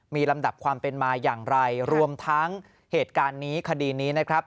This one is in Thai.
มีลำดับความเป็นมาอย่างไรรวมทั้งเหตุการณ์นี้คดีนี้นะครับ